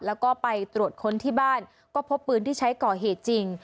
แล้วก็ไปตรวจค้นที่บ้านก็พบปืนที่ใช้ก่อเหตุจริง